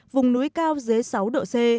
vùng núi cao dưới sáu độ c